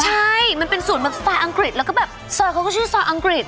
ใช่มันเป็นสูตรแบบสไตล์อังกฤษแล้วก็แบบซอยเขาก็ชื่อซอยอังกฤษ